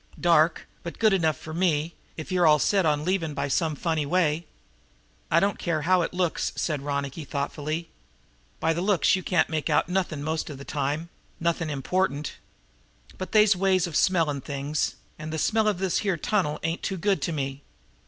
"Dark, but good enough for me, if you're all set on leaving by some funny way." "I don't care how it looks," said Ronicky thoughtfully. "By the looks you can't make out nothing most of the time nothing important. But they's ways of smelling things, and the smell of this here tunnel ain't too good to me.